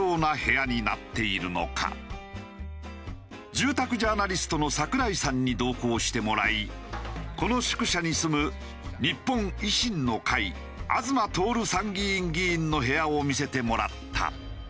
住宅ジャーナリストの櫻井さんに同行してもらいこの宿舎に住む日本維新の会東徹参議院議員の部屋を見せてもらった。